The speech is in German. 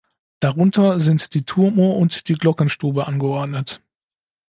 Darunter sind die Turmuhr und die Glockenstube angeordnet.